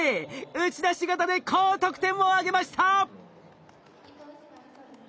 打ち出し型で高得点を挙げました！